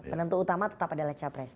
penentu utama tetap adalah capres